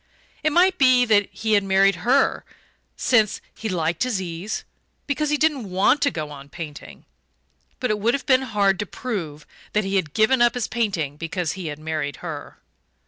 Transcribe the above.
It might be that he had married her since he liked his ease because he didn't want to go on painting; but it would have been hard to prove that he had given up his painting because he had married her.